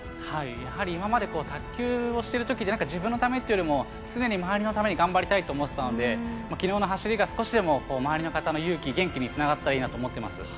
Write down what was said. やはり今まで卓球をしてるときって、自分のためっていうよりも、常に周りのために頑張りたいと思ってたので、きのうの走りが少しでも周りの方の勇気、元気につながったらいいなと思っています。